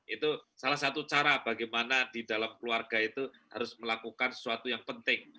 itu salah satu cara bagaimana di dalam keluarga itu harus melakukan sesuatu yang penting